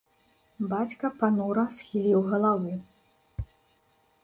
Бацька панура схіліў галаву.